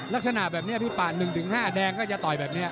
ลักษณะแบบนี้พี่ป่า๑๕แดงก็จะต่อยแบบนี้